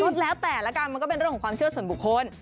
ก็แล้วแต่ละกันมันก็เป็นเรื่องของความเชื่อส่วนบุคคล